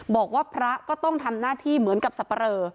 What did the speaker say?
บอกว่าพระก็ต้องทำหน้าที่เหมือนกับสับปะเรอ